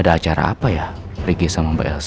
ada acara apa ya ricky sama mbak elsa